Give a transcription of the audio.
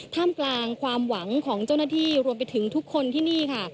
ท่ามกลางความหวังของเจ้าหน้าที่รวมไปถึงทุกคนที่นี่ค่ะ